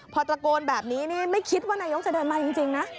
พอตระโกนแบบนี้นี่ไม่คิดว่านายกจะเดินมาจริงนะ